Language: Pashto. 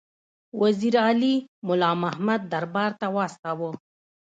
وزیر علي مُلا محمد دربار ته واستاوه.